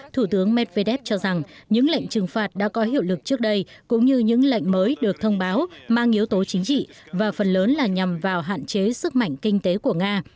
thủ tướng medvedev cho rằng những lệnh trừng phạt đã có hiệu lực trước đây cũng như những lệnh mới được thông báo mang yếu tố chính trị và phần lớn là nhằm vào hạn chế sức mạnh kinh tế của nga